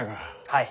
はい。